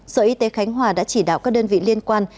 sở y tế khánh hòa đã chỉ đạo các đơn vị liên quan